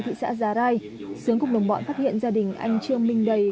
thị xã già rai sớm cùng đồng bọn phát hiện gia đình anh trương minh đầy